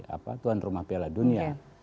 apa tuan rumah piala dunia